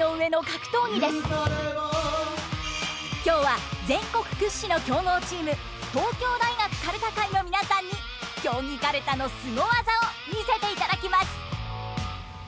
今日は全国屈指の強豪チーム東京大学かるた会の皆さんに競技かるたのすごワザを見せていただきます。